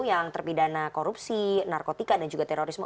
yang terpidana korupsi narkotika dan juga terorisme